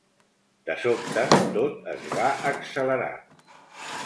De sobte tot es va accelerar.